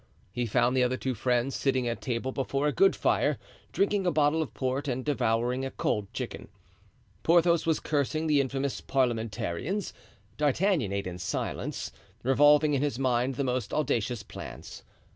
He found the other two friends sitting at table before a good fire, drinking a bottle of port and devouring a cold chicken. Porthos was cursing the infamous parliamentarians; D'Artagnan ate in silence, revolving in his mind the most audacious plans.